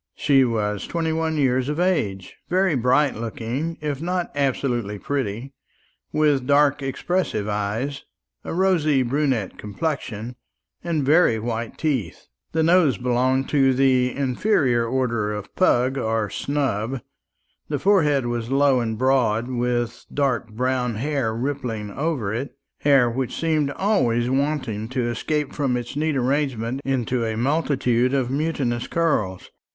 She was twenty one years of age, very bright looking, if not absolutely pretty, with dark expressive eyes, a rosy brunette complexion, and very white teeth. The nose belonged to the inferior order of pug or snub; the forehead was low and broad, with dark brown hair rippling over it hair which seemed always wanting to escape from its neat arrangement into a multitude of mutinous curls.